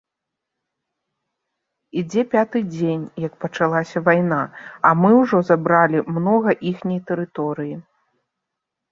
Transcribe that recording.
Ідзе пяты дзень, як пачалася вайна, а мы ўжо забралі многа іхняй тэрыторыі.